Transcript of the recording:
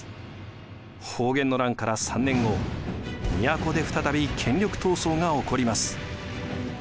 保元の乱から３年後都で再び権力闘争が起こります。